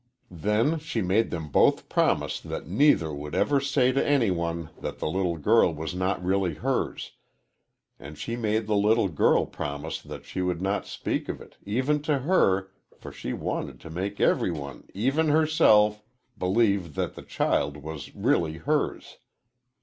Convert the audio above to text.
Then she made them both promise that neither would ever say to any one that the little girl was not really hers, and she made the little girl promise that she would not speak of it, even to her, for she wanted to make every one, even herself, believe that the child was really hers.